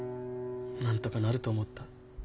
なんとかなると思った。